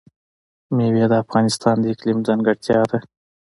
مېوې د افغانستان د اقلیم ځانګړتیا ده.